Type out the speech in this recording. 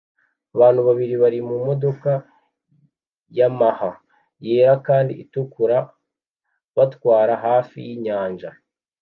Abantu babiri bari mumodoka Yamaha yera kandi itukura batwara hafi yinyanja